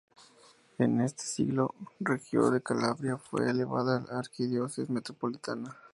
En este siglo, Regio de Calabria fue elevada a arquidiócesis metropolitana.